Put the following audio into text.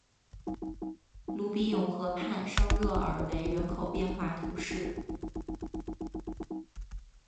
鲁比永河畔圣热尔韦人口变化图示